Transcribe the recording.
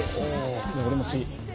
俺もＣ。